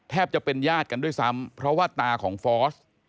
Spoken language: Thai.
จะเป็นญาติกันด้วยซ้ำเพราะว่าตาของฟอส